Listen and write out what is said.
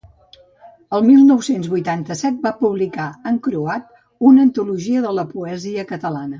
El mil nou-cents vuitanta-set va publicar en croat una antologia de la poesia catalana.